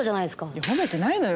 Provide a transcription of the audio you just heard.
いや褒めてないのよ